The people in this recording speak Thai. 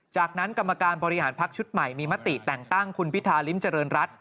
จากนั้นกรรมการบริหารพักชุดใหม่มีมติแต่งตั้งคุณพิธาริมเจริญรัฐ